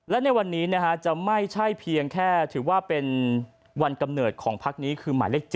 และในวันนี้จะไม่ใช่เพียงแค่ถือว่าเป็นวันกำเนิดของพักนี้คือหมายเลข๗